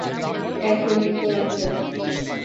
এখনি করে ফেল।